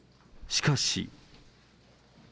しかし。